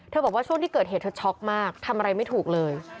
บอกว่าช่วงที่เกิดเหตุเธอช็อกมากทำอะไรไม่ถูกเลย